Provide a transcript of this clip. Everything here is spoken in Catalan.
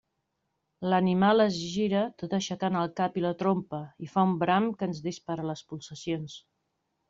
L'animal es gira tot aixecant el cap i la trompa, i fa un bram que ens dispara les pulsacions.